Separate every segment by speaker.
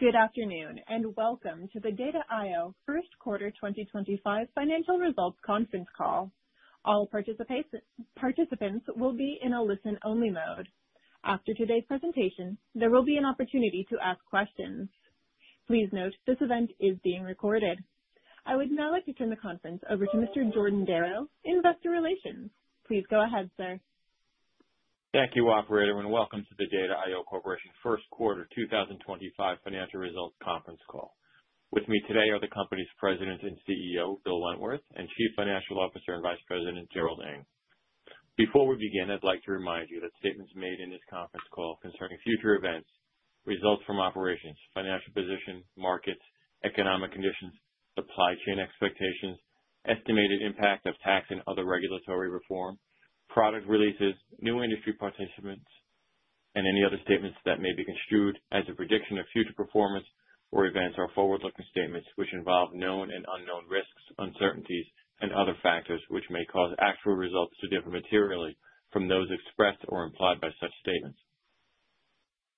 Speaker 1: Good afternoon, and welcome to the Data I/O First Quarter 2025 Financial Results Conference Call. All participants will be in a listen-only mode. After today's presentation, there will be an opportunity to ask questions. Please note this event is being recorded. I would now like to turn the conference over to Mr. Jordan Darrow, Investor Relations. Please go ahead, sir.
Speaker 2: Thank you, Operator, and welcome to the Data I/O Corporation First Quarter 2025 Financial Results Conference Call. With me today are the company's President and CEO, Bill Wentworth, and Chief Financial Officer and Vice President, Gerald Ng. Before we begin, I'd like to remind you that statements made in this conference call concern future events, results from operations, financial position, markets, economic conditions, supply chain expectations, estimated impact of tax and other regulatory reform, product releases, new industry participants, and any other statements that may be construed as a prediction of future performance or events are forward-looking statements which involve known and unknown risks, uncertainties, and other factors which may cause actual results to differ materially from those expressed or implied by such statements.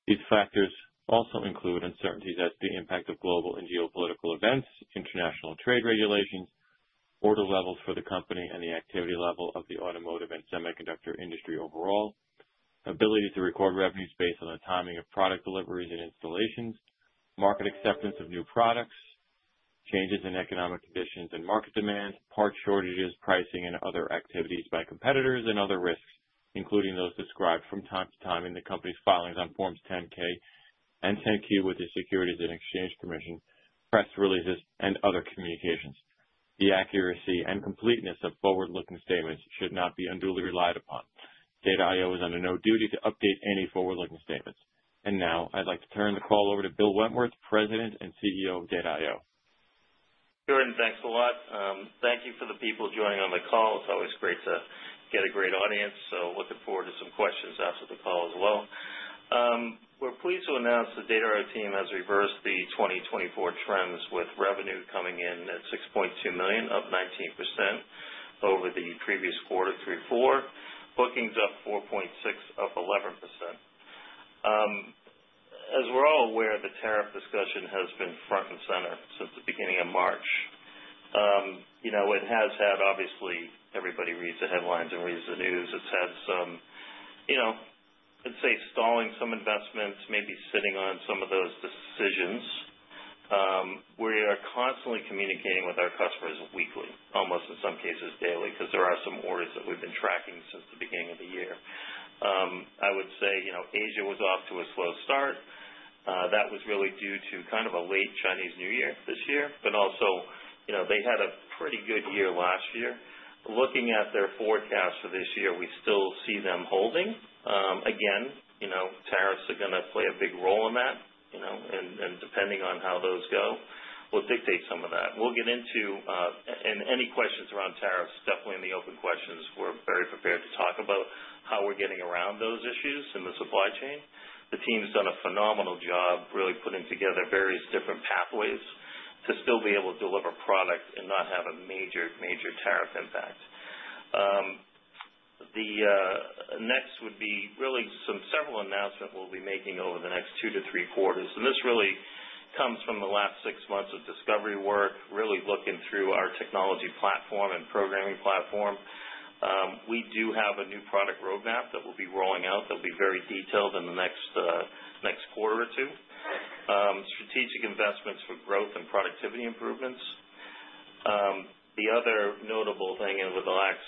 Speaker 2: These factors also include uncertainties as to the impact of global and geopolitical events, international trade regulations, order levels for the company and the activity level of the automotive and semiconductor industry overall, ability to record revenues based on the timing of product deliveries and installations, market acceptance of new products, changes in economic conditions and market demand, parts shortages, pricing, and other activities by competitors, and other risks including those described from time to time in the company's filings on Forms 10-K and 10-Q with the Securities and Exchange Commission, press releases, and other communications. The accuracy and completeness of forward-looking statements should not be unduly relied upon. Data I/O is under no duty to update any forward-looking statements. I would now like to turn the call over to Bill Wentworth, President and CEO of Data I/O.
Speaker 3: Jordan, thanks a lot. Thank you for the people joining on the call. It's always great to get a great audience, so looking forward to some questions after the call as well. We're pleased to announce the Data I/O team has reversed the 2024 trends with revenue coming in at $6.2 million, up 19% over the previous quarter four. Bookings up $4.6 million, up 11%. As we're all aware, the tariff discussion has been front and center since the beginning of March. It has had, obviously, everybody reads the headlines and reads the news. It's had some, I'd say, stalling some investments, maybe sitting on some of those decisions. We are constantly communicating with our customers weekly, almost in some cases daily, because there are some orders that we've been tracking since the beginning of the year. I would say Asia was off to a slow start. That was really due to kind of a late Chinese New Year this year, but also they had a pretty good year last year. Looking at their forecast for this year, we still see them holding. Again, tariffs are going to play a big role in that, and depending on how those go, will dictate some of that. We will get into, and any questions around tariffs, definitely in the open questions, we are very prepared to talk about how we are getting around those issues in the supply chain. The team's done a phenomenal job really putting together various different pathways to still be able to deliver product and not have a major, major tariff impact. The next would be really some several announcements we will be making over the next two to three quarters. This really comes from the last six months of discovery work, really looking through our technology platform and programming platform. We do have a new product roadmap that we'll be rolling out that will be very detailed in the next quarter or two. Strategic investments for growth and productivity improvements. The other notable thing over the last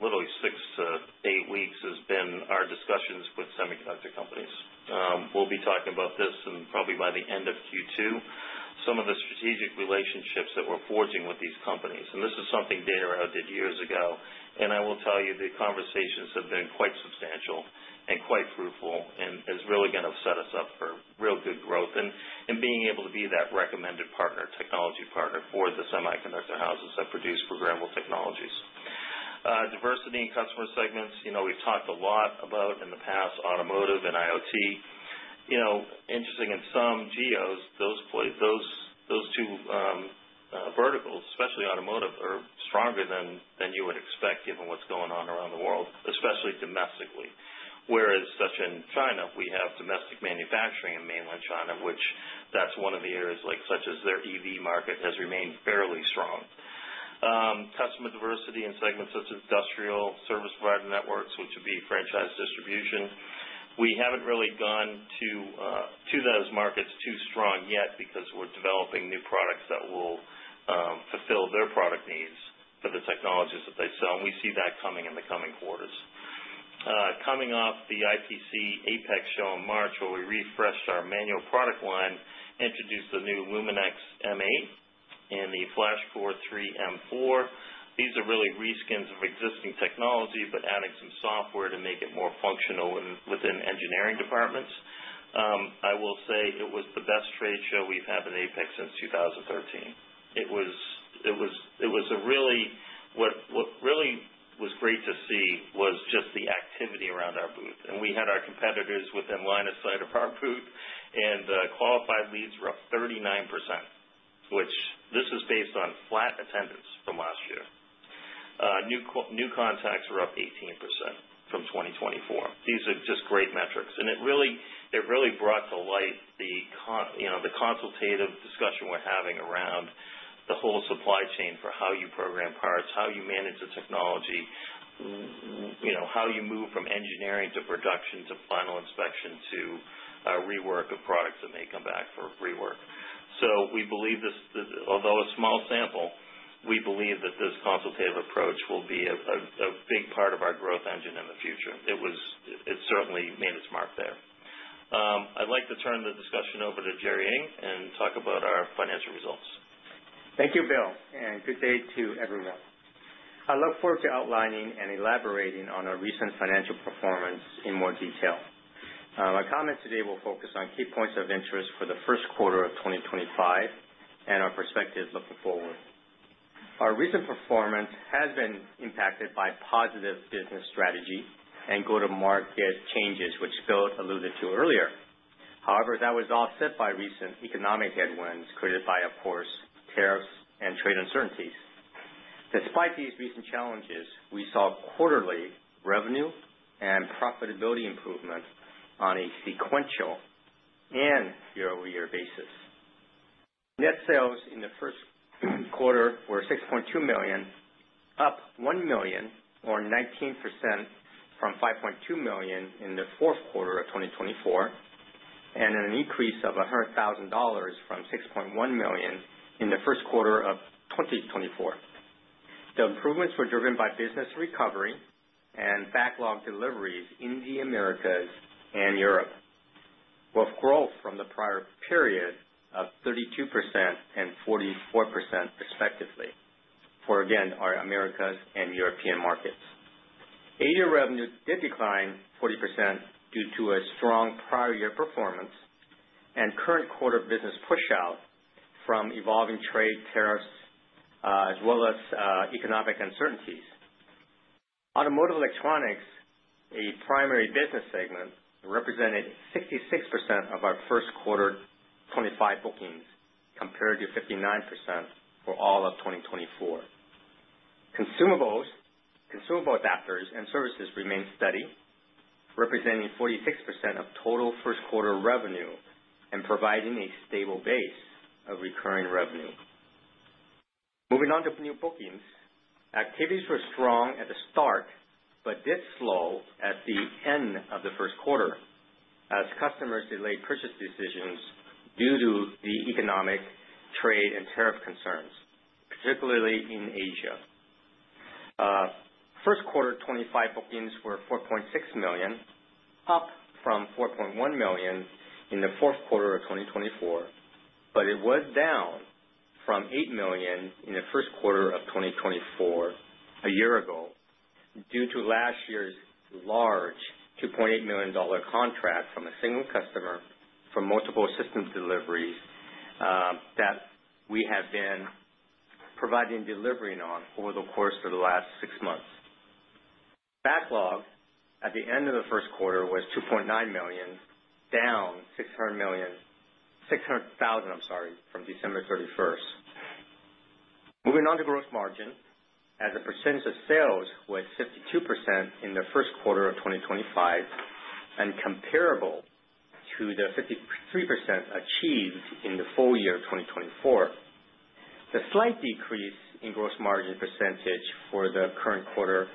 Speaker 3: literally six to eight weeks has been our discussions with semiconductor companies. We will be talking about this probably by the end of Q2, some of the strategic relationships that we're forging with these companies. This is something Data I/O did years ago, and I will tell you the conversations have been quite substantial and quite fruitful and is really going to set us up for real good growth and being able to be that recommended partner, technology partner for the semiconductor houses that produce programmable technologies. Diversity in customer segments, we've talked a lot about in the past, automotive and IoT. Interesting, in some geos, those two verticals, especially automotive, are stronger than you would expect given what's going on around the world, especially domestically. Whereas such in China, we have domestic manufacturing in mainland China, which that's one of the areas such as their EV market has remained fairly strong. Customer diversity in segments such as industrial service provider networks, which would be franchise distribution. We haven't really gone to those markets too strong yet because we're developing new products that will fulfill their product needs for the technologies that they sell, and we see that coming in the coming quarters. Coming off the IPC APEX show in March, where we refreshed our manual product line, introduced the new LumenX-M8 and the FlashCOREIII-M4. These are really reskins of existing technology, but adding some software to make it more functional within engineering departments. I will say it was the best trade show we've had in APEX since 2013. What really was great to see was just the activity around our booth. We had our competitors within line of sight of our booth, and qualified leads were up 39%, which is based on flat attendance from last year. New contacts were up 18% from 2024. These are just great metrics. It really brought to light the consultative discussion we're having around the whole supply chain for how you program parts, how you manage the technology, how you move from engineering to production to final inspection to rework of products that may come back for rework. We believe, although a small sample, we believe that this consultative approach will be a big part of our growth engine in the future. It certainly made its mark there. I'd like to turn the discussion over to Gerry Ng and talk about our financial results.
Speaker 4: Thank you, Bill, and good day to everyone. I look forward to outlining and elaborating on our recent financial performance in more detail. My comments today will focus on key points of interest for the first quarter of 2025 and our perspective looking forward. Our recent performance has been impacted by positive business strategy and go-to-market changes, which Bill alluded to earlier. However, that was offset by recent economic headwinds created by, of course, tariffs and trade uncertainties. Despite these recent challenges, we saw quarterly revenue and profitability improvement on a sequential and year-over-year basis. Net sales in the first quarter were $6.2 million, up $1 million, or 19% from $5.2 million in the fourth quarter of 2024, and an increase of $100,000 from $6.1 million in the first quarter of 2024. The improvements were driven by business recovery and backlog deliveries in the Americas and Europe, with growth from the prior period of 32% and 44% respectively for, again, our Americas and European markets. Asia revenue did decline 40% due to a strong prior year performance and current quarter business push-out from evolving trade tariffs as well as economic uncertainties. Automotive electronics, a primary business segment, represented 66% of our first quarter 2025 bookings compared to 59% for all of 2024. Consumables adapters and services remained steady, representing 46% of total first quarter revenue and providing a stable base of recurring revenue. Moving on to new bookings, activities were strong at the start but did slow at the end of the first quarter as customers delayed purchase decisions due to the economic, trade, and tariff concerns, particularly in Asia. First quarter 2025 bookings were $4.6 million, up from $4.1 million in the fourth quarter of 2024, but it was down from $8 million in the first quarter of 2024 a year ago due to last year's large $2.8 million contract from a single customer for multiple system deliveries that we have been providing delivery on over the course of the last six months. Backlog at the end of the first quarter was $2.9 million, down $600,000, I'm sorry, from December 31st. Moving on to gross margin, as a percentage of sales was 52% in the first quarter of 2025 and comparable to the 53% achieved in the full year of 2024. The slight decrease in gross margin percentage for the current quarter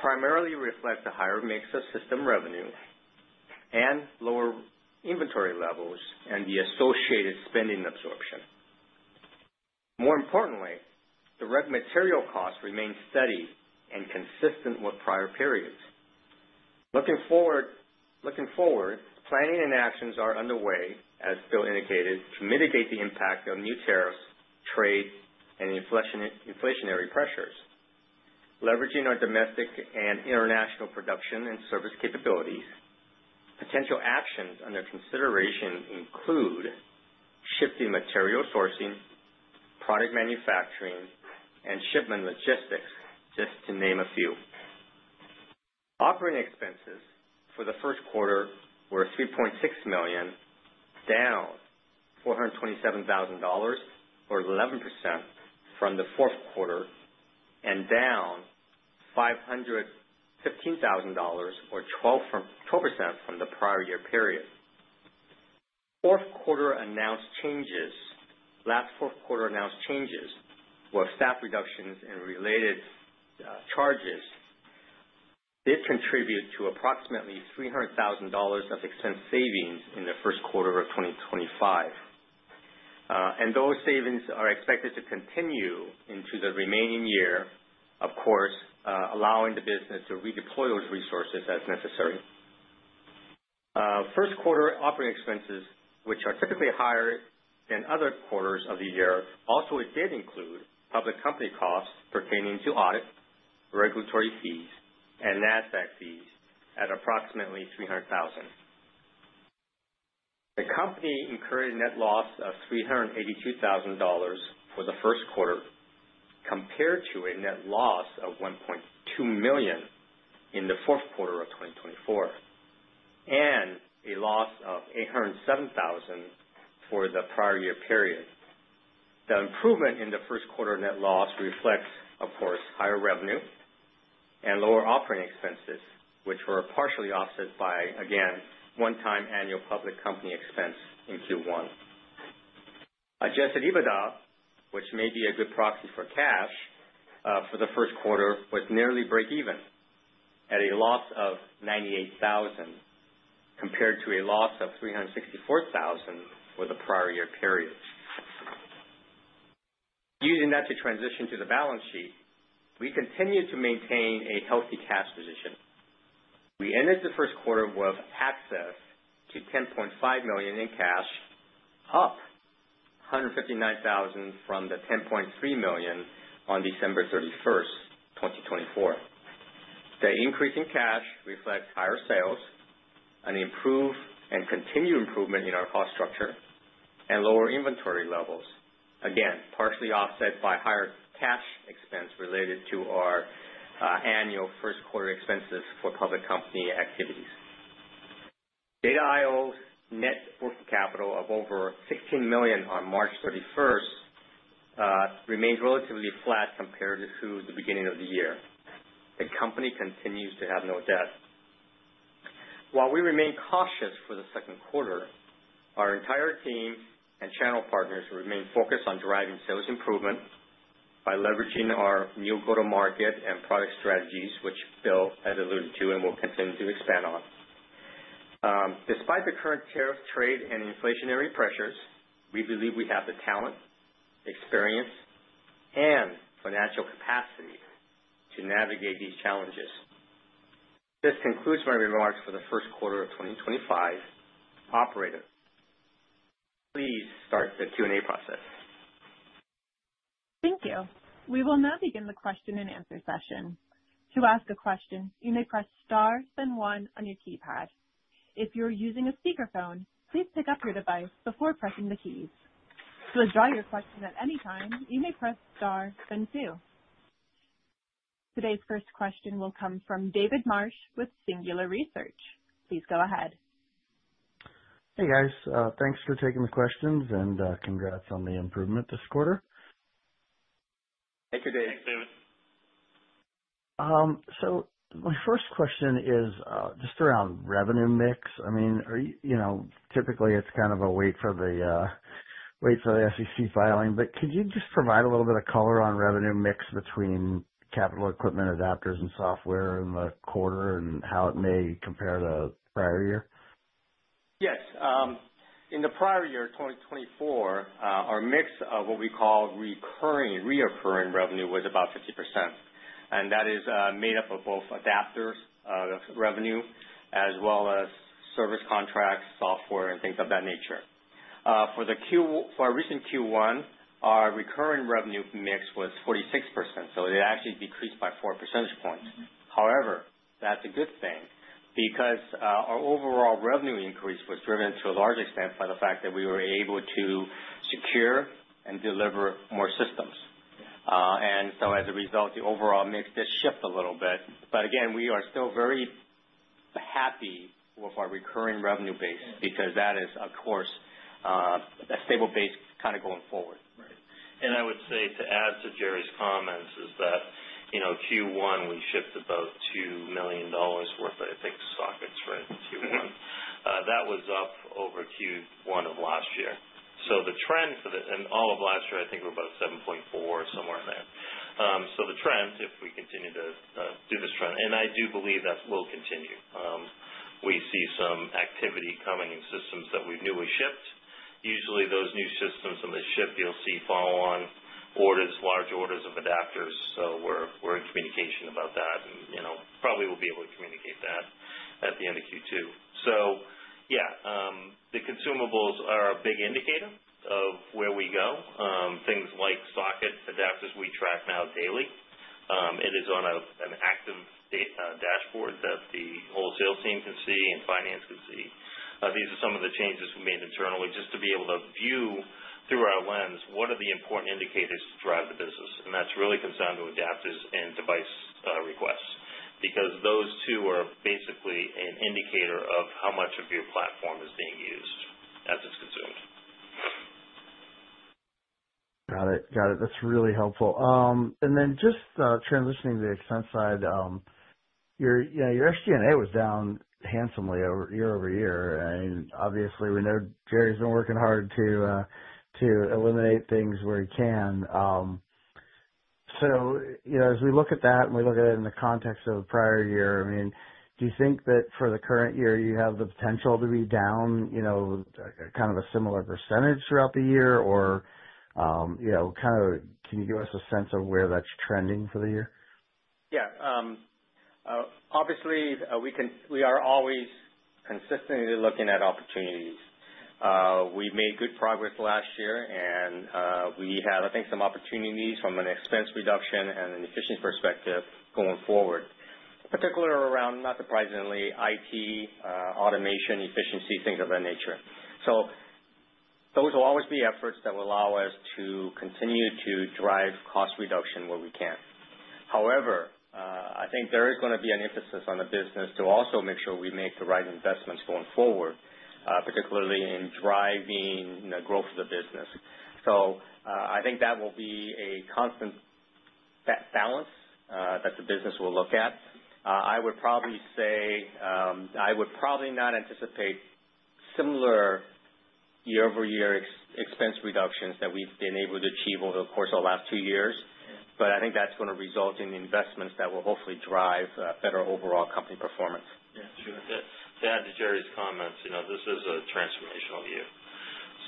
Speaker 4: primarily reflects a higher mix of system revenue and lower inventory levels and the associated spending absorption. More importantly, the raw material costs remained steady and consistent with prior periods. Looking forward, planning and actions are underway, as Bill indicated, to mitigate the impact of new tariffs, trade, and inflationary pressures, leveraging our domestic and international production and service capabilities. Potential actions under consideration include shifting material sourcing, product manufacturing, and shipment logistics, just to name a few. Operating expenses for the first quarter were $3.6 million, down $427,000, or 11% from the fourth quarter, and down $515,000, or 12% from the prior year period. Fourth quarter announced changes, last fourth quarter announced changes with staff reductions and related charges did contribute to approximately $300,000 of expense savings in the first quarter of 2025. Those savings are expected to continue into the remaining year, of course, allowing the business to redeploy those resources as necessary. First quarter operating expenses, which are typically higher than other quarters of the year, also did include public company costs pertaining to audit, regulatory fees, and NASDAQ fees at approximately $300,000. The company incurred a net loss of $382,000 for the first quarter compared to a net loss of $1.2 million in the fourth quarter of 2024, and a loss of $807,000 for the prior year period. The improvement in the first quarter net loss reflects, of course, higher revenue and lower operating expenses, which were partially offset by, again, one-time annual public company expense in Q1. Adjusted EBITDA, which may be a good proxy for cash for the first quarter, was nearly break-even at a loss of $98,000 compared to a loss of $364,000 for the prior year period. Using that to transition to the balance sheet, we continue to maintain a healthy cash position. We ended the first quarter with access to $10.5 million in cash, up $159,000 from the $10.3 million on December 31st, 2024. The increase in cash reflects higher sales, an improved and continued improvement in our cost structure, and lower inventory levels, again, partially offset by higher cash expense related to our annual first quarter expenses for public company activities. Data I/O's net working capital of over $16 million on March 31st remained relatively flat compared to the beginning of the year. The company continues to have no debt. While we remain cautious for the second quarter, our entire team and channel partners remain focused on driving sales improvement by leveraging our new go-to-market and product strategies, which Bill had alluded to and will continue to expand on. Despite the current tariff, trade, and inflationary pressures, we believe we have the talent, experience, and financial capacity to navigate these challenges. This concludes my remarks for the first quarter of 2025. Operator, please start the Q&A process.
Speaker 1: Thank you. We will now begin the question and answer session. To ask a question, you may press star then one on your keypad. If you're using a speakerphone, please pick up your device before pressing the keys. To withdraw your question at any time, you may press star then two. Today's first question will come from David Marsh with Singular Research. Please go ahead.
Speaker 5: Hey, guys. Thanks for taking the questions and congrats on the improvement this quarter.
Speaker 4: Thank you, David.
Speaker 3: Thanks, David.
Speaker 5: My first question is just around revenue mix. I mean, typically, it's kind of a wait for the SEC filing. Could you just provide a little bit of color on revenue mix between capital equipment adapters and software in the quarter and how it may compare to the prior year?
Speaker 4: Yes. In the prior year, 2024, our mix of what we call recurring, reoccurring revenue was about 50%. That is made up of both adapters revenue as well as service contracts, software, and things of that nature. For our recent Q1, our recurring revenue mix was 46%. It actually decreased by four percentage points. However, that's a good thing because our overall revenue increase was driven to a large extent by the fact that we were able to secure and deliver more systems. As a result, the overall mix did shift a little bit. Again, we are still very happy with our recurring revenue base because that is, of course, a stable base kind of going forward.
Speaker 3: Right. I would say to add to Gerry's comments is that Q1, we shipped about $2 million worth of, I think, sockets, right, in Q1. That was up over Q1 of last year. The trend for the and all of last year, I think, were about $7.4 million, somewhere in there. The trend, if we continue to do this trend, and I do believe that will continue. We see some activity coming in systems that we've newly shipped. Usually, those new systems and the ship you'll see follow-on orders, large orders of adapters. We are in communication about that. Probably we'll be able to communicate that at the end of Q2. The consumables are a big indicator of where we go. Things like socket adapters, we track now daily. It is on an active dashboard that the wholesale team can see and finance can see. These are some of the changes we made internally just to be able to view through our lens, what are the important indicators to drive the business. That is really concerned with adapters and device requests because those two are basically an indicator of how much of your platform is being used as it's consumed.
Speaker 5: Got it. Got it. That's really helpful. Just transitioning to the expense side, your SG&A was down handsomely year over year. Obviously, we know Gerry's been working hard to eliminate things where he can. As we look at that and we look at it in the context of the prior year, I mean, do you think that for the current year, you have the potential to be down kind of a similar percentage throughout the year? Can you give us a sense of where that's trending for the year?
Speaker 4: Yeah. Obviously, we are always consistently looking at opportunities. We made good progress last year. We have, I think, some opportunities from an expense reduction and an efficiency perspective going forward, particularly around, not surprisingly, IT, automation, efficiency, things of that nature. Those will always be efforts that will allow us to continue to drive cost reduction where we can. However, I think there is going to be an emphasis on the business to also make sure we make the right investments going forward, particularly in driving the growth of the business. I think that will be a constant balance that the business will look at. I would probably say I would probably not anticipate similar year-over-year expense reductions that we've been able to achieve over the course of the last two years. I think that's going to result in investments that will hopefully drive better overall company performance.
Speaker 3: Yeah. To add to Gerry's comments, this is a transformational year.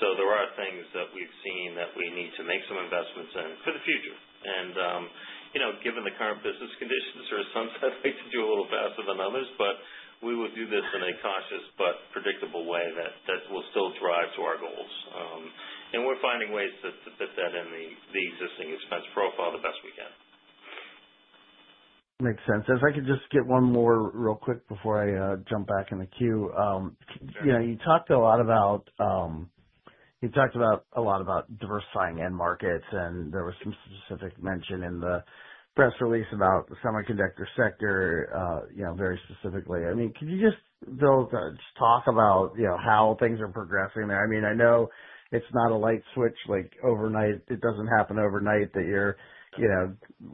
Speaker 3: There are things that we've seen that we need to make some investments in for the future. Given the current business conditions, there are some that like to do a little faster than others. We will do this in a cautious but predictable way that will still drive to our goals. We're finding ways to fit that in the existing expense profile the best we can.
Speaker 5: Makes sense. If I could just get one more real quick before I jump back in the queue. You talked a lot about diversifying end markets. And there was some specific mention in the press release about the semiconductor sector very specifically. I mean, could you just, Bill, just talk about how things are progressing there? I mean, I know it's not a light switch overnight. It doesn't happen overnight that you're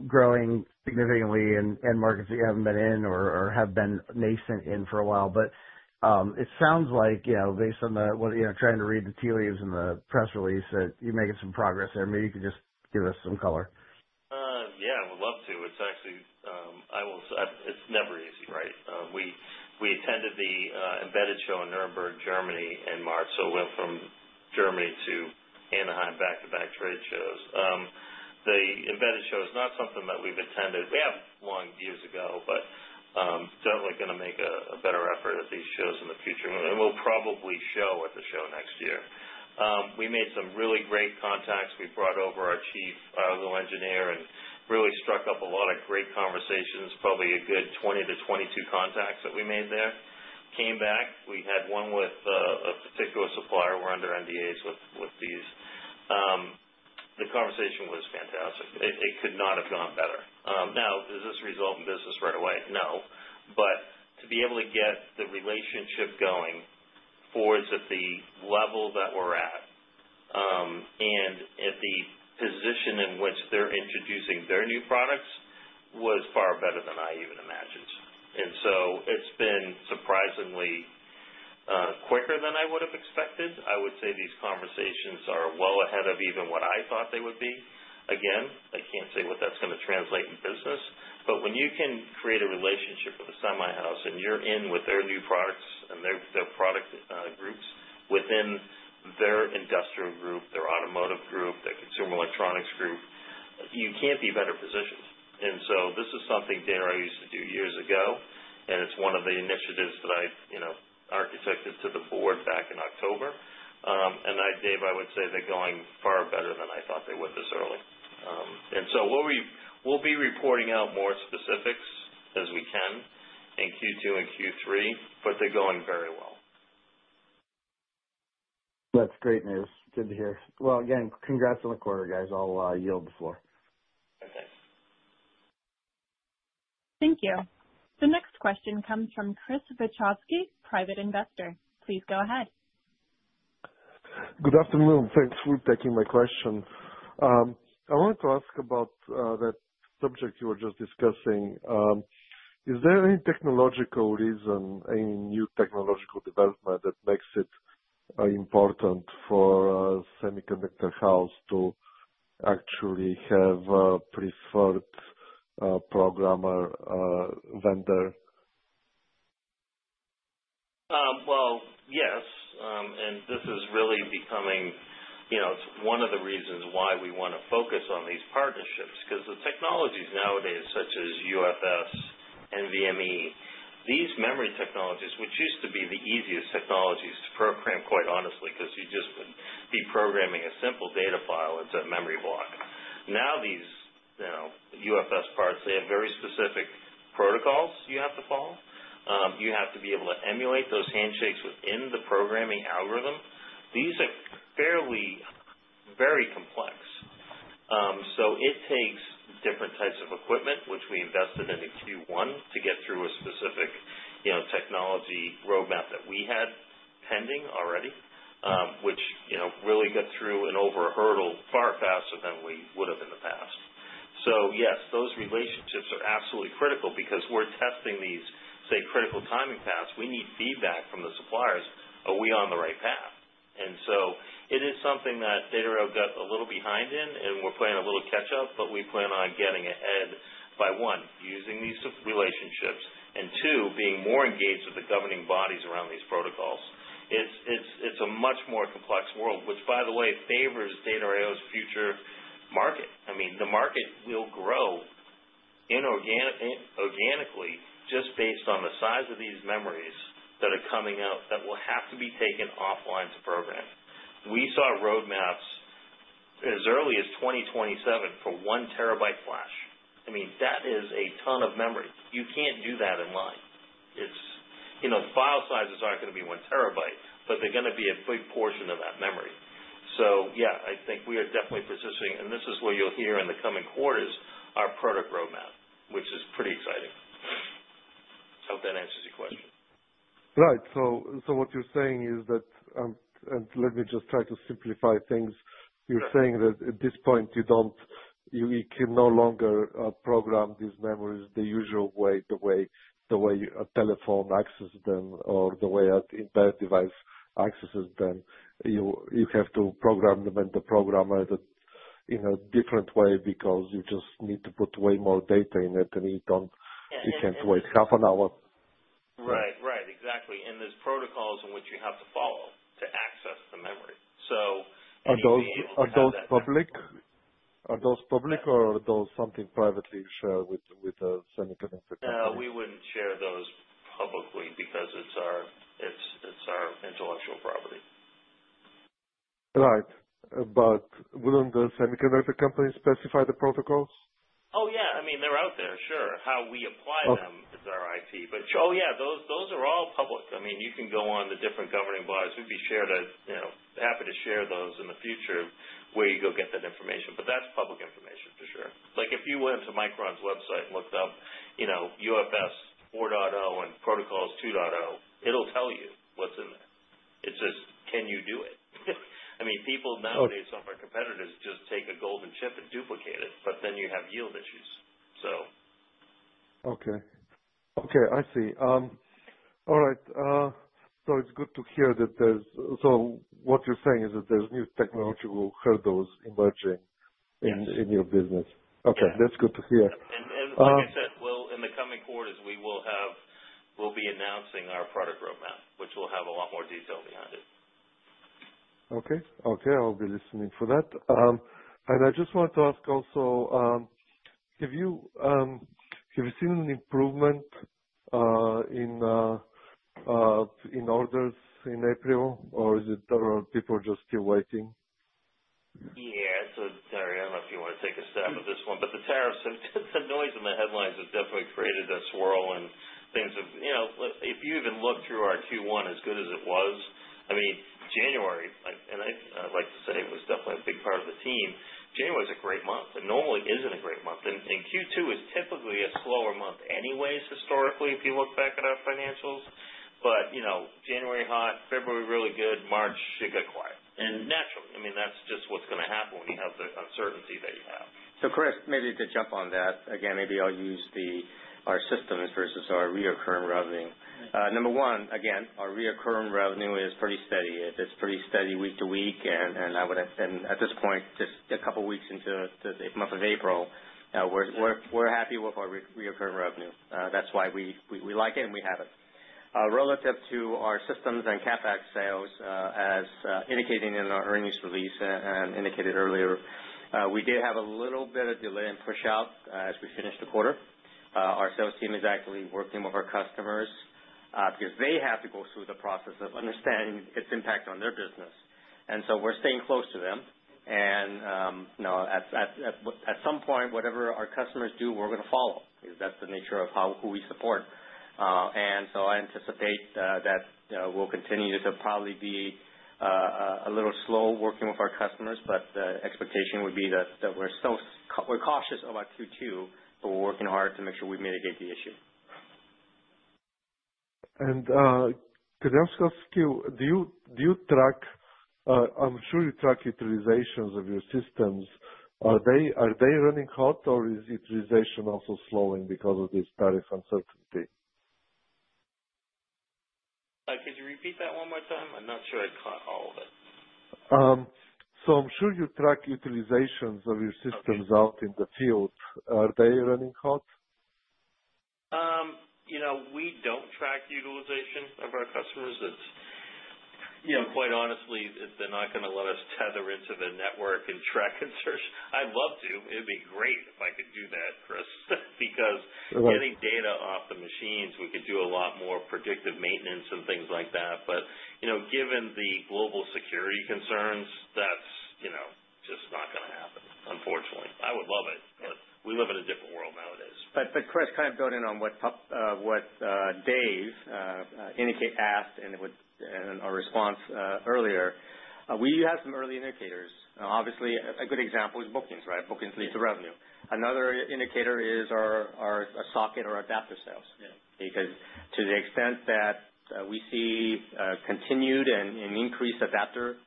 Speaker 5: growing significantly in end markets that you haven't been in or have been nascent in for a while. But it sounds like, based on what you're trying to read the tea leaves in the press release, that you're making some progress there. Maybe you could just give us some color.
Speaker 3: Yeah. We'd love to. It's actually never easy, right? We attended the embedded show in Nuremberg, Germany, in March. We went from Germany to Anaheim, back-to-back trade shows. The embedded show is not something that we've attended. We have, long years ago, but definitely going to make a better effort at these shows in the future. We'll probably show at the show next year. We made some really great contacts. We brought over our Chief, our little engineer, and really struck up a lot of great conversations, probably a good 20-22 contacts that we made there. Came back. We had one with a particular supplier. We're under NDAs with these. The conversation was fantastic. It could not have gone better. Now, does this result in business right away? No. To be able to get the relationship going forwards at the level that we're at and at the position in which they're introducing their new products was far better than I even imagined. It has been surprisingly quicker than I would have expected. I would say these conversations are well ahead of even what I thought they would be. Again, I can't say what that's going to translate in business. When you can create a relationship with a semi-house and you're in with their new products and their product groups within their industrial group, their automotive group, their consumer electronics group, you can't be better positioned. This is something Dana used to do years ago. It is one of the initiatives that I architected to the board back in October. Dave, I would say they're going far better than I thought they would this early. We will be reporting out more specifics as we can in Q2 and Q3, but they're going very well.
Speaker 5: That's great news. Good to hear. Again, congrats on the quarter, guys. I'll yield the floor.
Speaker 3: Okay.
Speaker 1: Thank you. The next question comes from Chris Wachowski, private investor. Please go ahead.
Speaker 6: Good afternoon. Thanks for taking my question. I wanted to ask about that subject you were just discussing. Is there any technological reason, any new technological development that makes it important for a semiconductor house to actually have a preferred programmer vendor?
Speaker 3: Yes. This is really becoming one of the reasons why we want to focus on these partnerships because the technologies nowadays, such as UFS, NVMe, these memory technologies, which used to be the easiest technologies to program, quite honestly, because you just would be programming a simple data file into a memory block. Now, these UFS parts, they have very specific protocols you have to follow. You have to be able to emulate those handshakes within the programming algorithm. These are fairly very complex. It takes different types of equipment, which we invested in in Q1 to get through a specific technology roadmap that we had pending already, which really got through and over a hurdle far faster than we would have in the past. Yes, those relationships are absolutely critical because we're testing these, say, critical timing paths. We need feedback from the suppliers. Are we on the right path? It is something that Data I/O got a little behind in, and we're playing a little catch-up, but we plan on getting ahead by, one, using these relationships, and two, being more engaged with the governing bodies around these protocols. It's a much more complex world, which, by the way, favors Data I/O's future market. I mean, the market will grow organically just based on the size of these memories that are coming out that will have to be taken offline to program. We saw roadmaps as early as 2027 for one terabyte flash. I mean, that is a ton of memory. You can't do that in line. The file sizes aren't going to be one terabyte, but they're going to be a big portion of that memory. Yeah, I think we are definitely positioning. This is what you'll hear in the coming quarters, our product roadmap, which is pretty exciting. I hope that answers your question.
Speaker 6: Right. What you're saying is that, and let me just try to simplify things, you're saying that at this point, you can no longer program these memories the usual way, the way a telephone accesses them or the way an embedded device accesses them. You have to program them and the programmer in a different way because you just need to put way more data in it, and you can't wait half an hour.
Speaker 3: Right. Right. Exactly. There are protocols in which you have to follow to access the memory. You cannot do that.
Speaker 6: Are those public? Are those public, or are those something privately shared with the semiconductor company?
Speaker 3: We wouldn't share those publicly because it's our intellectual property.
Speaker 6: Right. Wouldn't the semiconductor company specify the protocols?
Speaker 3: Oh, yeah. I mean, they're out there, sure. How we apply them is our IT. Oh, yeah, those are all public. I mean, you can go on the different governing bodies. We'd be happy to share those in the future where you go get that information. That's public information for sure. If you went to Micron's website and looked up UFS 4.0 and protocols 2.0, it'll tell you what's in there. It's just, can you do it? I mean, people nowadays, some of our competitors, just take a golden chip and duplicate it, but then you have yield issues, so.
Speaker 6: Okay. Okay. I see. All right. So it's good to hear that there's new technology emerging in your business. Okay. That's good to hear.
Speaker 3: Like I said, in the coming quarters, we will be announcing our product roadmap, which will have a lot more detail behind it.
Speaker 6: Okay. Okay. I'll be listening for that. I just want to ask also, have you seen an improvement in orders in April, or is it people just still waiting?
Speaker 3: Yeah. Sorry, I don't know if you want to take a stab at this one. The tariffs, the noise in the headlines has definitely created a swirl and things of if you even look through our Q1, as good as it was, I mean, January, and I like to say it was definitely a big part of the team, January is a great month. It normally isn't a great month. Q2 is typically a slower month anyways, historically, if you look back at our financials. January hot, February really good, March should get quiet. Naturally, I mean, that's just what's going to happen when you have the uncertainty that you have.
Speaker 4: Chris, maybe to jump on that, again, maybe I'll use our systems versus our recurring revenue. Number one, again, our recurring revenue is pretty steady. It's pretty steady week to week. At this point, just a couple of weeks into the month of April, we're happy with our recurring revenue. That's why we like it and we have it. Relative to our systems and CapEx sales, as indicated in our earnings release and indicated earlier, we did have a little bit of delay in push-out as we finished the quarter. Our sales team is actively working with our customers because they have to go through the process of understanding its impact on their business. We're staying close to them. At some point, whatever our customers do, we're going to follow because that's the nature of who we support. I anticipate that we'll continue to probably be a little slow working with our customers. The expectation would be that we're cautious about Q2, but we're working hard to make sure we mitigate the issue.
Speaker 6: Could I ask you, do you track, I'm sure you track, utilizations of your systems? Are they running hot, or is utilization also slowing because of this tariff uncertainty?
Speaker 3: Could you repeat that one more time? I'm not sure I caught all of it.
Speaker 6: I'm sure you track utilizations of your systems out in the field. Are they running hot?
Speaker 3: We don't track utilization of our customers. Quite honestly, they're not going to let us tether into the network and track inserts. I'd love to. It'd be great if I could do that, Chris, because getting data off the machines, we could do a lot more predictive maintenance and things like that. Given the global security concerns, that's just not going to happen, unfortunately. I would love it, but we live in a different world nowadays.
Speaker 4: Chris, kind of building on what Dave indicated, asked in our response earlier, we have some early indicators. Obviously, a good example is bookings, right? Bookings lead to revenue. Another indicator is our socket or adapter sales because to the extent that we see continued and increased adapter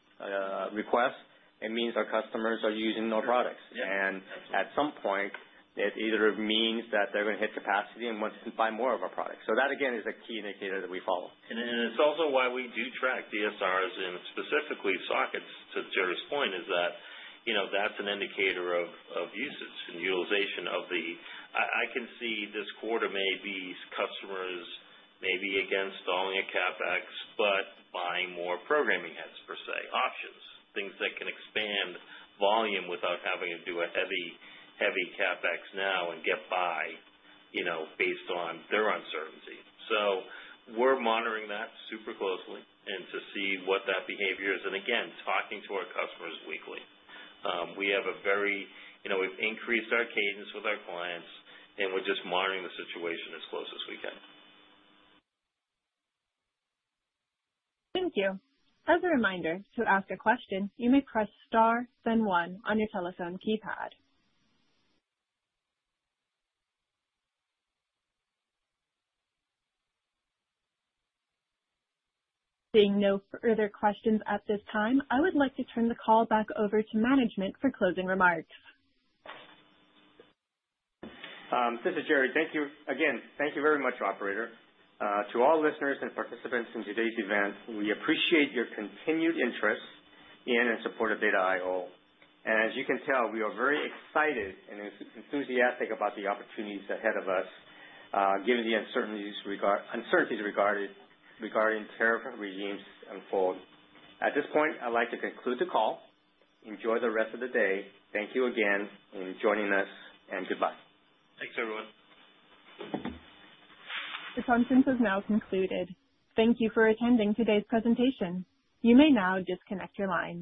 Speaker 4: requests, it means our customers are using our products. At some point, it either means that they're going to hit capacity and want to buy more of our products. That, again, is a key indicator that we follow. It is also why we do track DSRs and specifically sockets, to Gerry's point, is that that's an indicator of usage and utilization of the I can see this quarter maybe customers may be against owning a CapEx, but buying more programming heads per se, options, things that can expand volume without having to do a heavy CapEx now and get by based on their uncertainty. We are monitoring that super closely and to see what that behavior is. Again, talking to our customers weekly. We have a very, we've increased our cadence with our clients, and we are just monitoring the situation as close as we can.
Speaker 1: Thank you. As a reminder, to ask a question, you may press star, then one on your telephone keypad. Seeing no further questions at this time, I would like to turn the call back over to management for closing remarks.
Speaker 4: This is Gerry. Thank you. Again, thank you very much, operator. To all listeners and participants in today's event, we appreciate your continued interest in and support of Data I/O. As you can tell, we are very excited and enthusiastic about the opportunities ahead of us given the uncertainties regarding tariff regimes unfold. At this point, I'd like to conclude the call. Enjoy the rest of the day. Thank you again for joining us, and goodbye.
Speaker 3: Thanks, everyone.
Speaker 1: The conference has now concluded. Thank you for attending today's presentation. You may now disconnect your line.